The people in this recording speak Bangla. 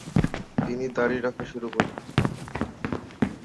তিনি দাঁড়ি রাখা শুরু করেন।